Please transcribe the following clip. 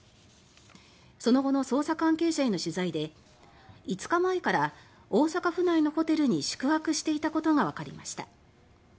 その後の捜査関係者への取材で５日前から大阪府内のホテルに宿泊していたことがわかりました。